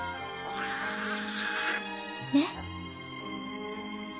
ねっ？